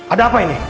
ada apa ini